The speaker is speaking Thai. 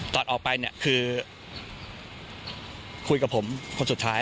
ตอนออกไปเนี่ยคือคุยกับผมคนสุดท้าย